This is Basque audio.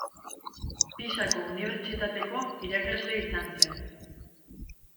Pisako unibertsitateko irakasle izan zen.